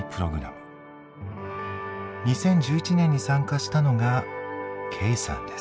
２０１１年に参加したのがケイさんです。